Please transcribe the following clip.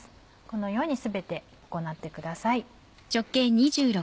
このように全て行ってください。